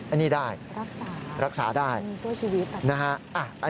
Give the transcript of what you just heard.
อันนี้ได้รักษาได้นะฮะรักษาได้